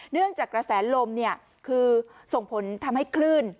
เนื่องจากกระแสนลมคือส่งผลทำให้คลื่น